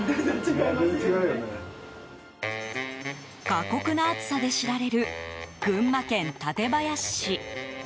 過酷な暑さで知られる群馬県館林市。